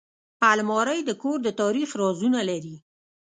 الماري د کور د تاریخ رازونه لري